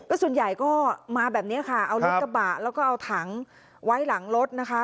ส่วนใหญ่ก็มาแบบนี้ค่ะเอารถกระบะแล้วก็เอาถังไว้หลังรถนะคะ